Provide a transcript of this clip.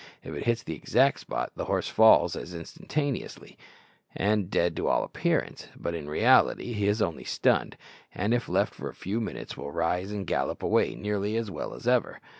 If it hits the exact spot, the horse falls as instantaneously, and dead to all appearance; but, in reality, he is only stunned, and if left for a few minutes will rise and gallop away nearly as well as ever.